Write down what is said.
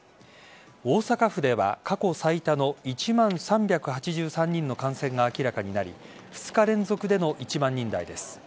大阪府では過去最多の１万３８３人の感染が明らかになり２日連続での１万人台です。